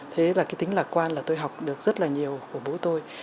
thế là cái tính lạc quan là tôi học được rất là nhiều của bố tôi